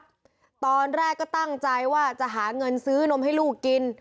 เผ็ดแล้วครับตอนแรกก็ตั้งใจว่าจะหาเงินซื้อนมให้ลูกกิน